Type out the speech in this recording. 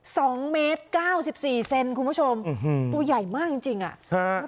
สองเมตรเก้าสิบสี่เซนคุณผู้ชมอื้อหือตัวใหญ่มากจริงจริงอ่ะฮะ